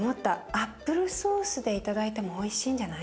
アップルソースで頂いてもおいしいんじゃない？